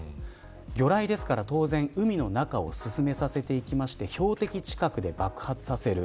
魚雷ですから当然海の中進めさせていきまして標的近くで爆発させる。